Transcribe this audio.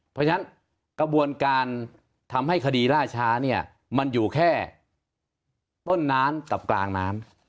เพราะฉะนั้นกระบวนการทำให้คดีล่าช้าเนี่ยมันอยู่แค่ต้นน้ำกับกลางน้ำ